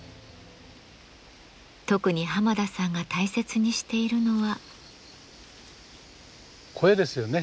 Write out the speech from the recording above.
特に浜田さんが大切にしているのは。